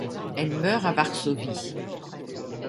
Elle meurt à Varsovie.